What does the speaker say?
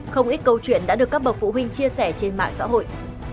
không ít câu chuyện đã được các bậc phụ huynh chia sẻ trên mạng xã hội